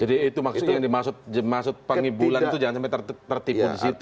jadi itu maksudnya yang dimaksud pengibulan itu jangan sampai tertipu disitu